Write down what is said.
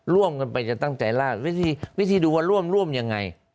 ร่วมกันไปจะตั้งใจล่าวิธีดูว่าร่วมยังไง